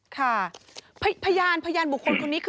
ค่ะพยานบุคคลคนนี้